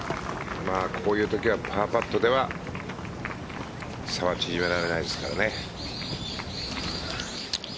こういうときはパーパットでは差は縮められませんからね。